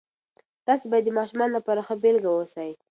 تاسې باید د ماشومانو لپاره ښه بیلګه اوسئ.